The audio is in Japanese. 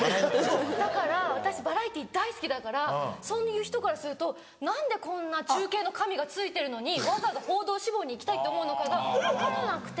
だから私バラエティー大好きだからそういう人からすると何でこんな中継の神がついてるのにわざわざ報道志望に行きたいって思うのかが分からなくて。